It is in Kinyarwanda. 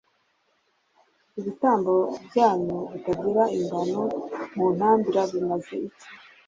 ibitambo byanyu bitagira ingano muntambira bimaze iki